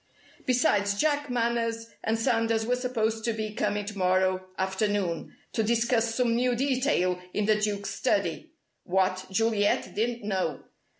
Besides, Jack Manners and Sanders were supposed to be coming to morrow afternoon, to discuss some new detail in the Duke's study what, Juliet didn't know.